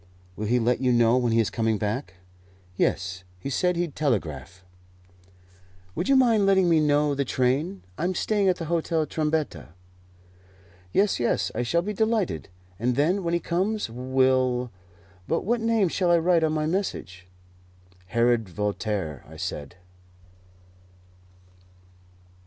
"Will he let you know when he is coming back?" "Yes; he said he'd telegraph." "Would you mind letting me know the train? I am staying at the Hotel Trombetta." "Yes, yes, I shall be delighted; and then, when he comes, we'll But what name shall I write on my message?" "Herod Voltaire," I said.